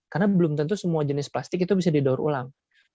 karena belum tentu semua jenis plastik itu bisa didaur ulang